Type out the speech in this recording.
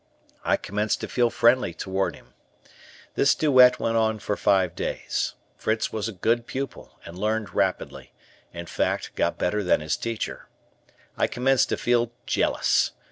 I commenced to feel friendly toward him. This duet went on for five days. Fritz was a good pupil and learned rapidly, in fact, got better than his teacher. I commenced to feel jealous.